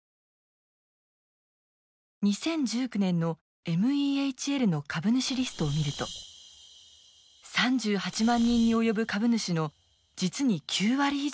２０１９年のＭＥＨＬの株主リストを見ると３８万人に及ぶ株主の実に９割以上が軍人や退役軍人でした。